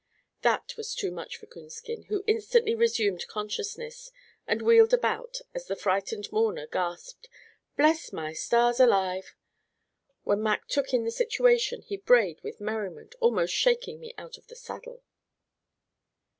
That was too much for Coonskin, who instantly resumed consciousness, and wheeled about, as the frightened mourner gasped, "Bless my stars, alive!" When Mac took in the situation he brayed with merriment, almost shaking me out of the saddle.